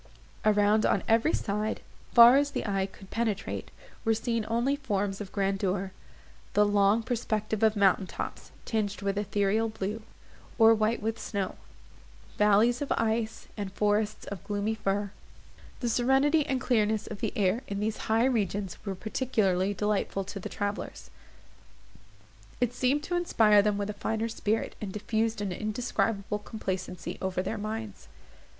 Around, on every side, far as the eye could penetrate, were seen only forms of grandeur—the long perspective of mountain tops, tinged with ethereal blue, or white with snow; valleys of ice, and forests of gloomy fir. The serenity and clearness of the air in these high regions were particularly delightful to the travellers; it seemed to inspire them with a finer spirit, and diffused an indescribable complacency over their minds.